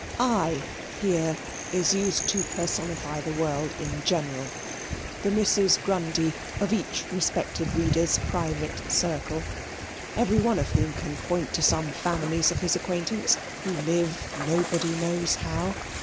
"I" is here introduced to personify the world in general the Mrs. Grundy of each respected reader's private circle every one of whom can point to some families of his acquaintance who live nobody knows how.